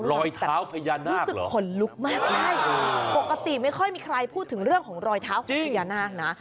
รอยเท้าพญานาคขนลุกมากใช่ปกติไม่ค่อยมีใครพูดถึงเรื่องของรอยเท้าของพญานาคนะ